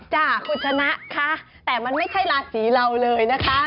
ค่ะคุณชนะคะแต่มันไม่ใช่ราศีเราเลยนะคะ